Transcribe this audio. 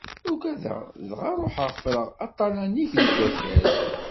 Ugadeɣ, dɣa ṛuḥeɣ ffreɣ aṭalan-ik deg wakal.